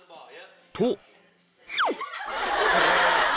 ［と］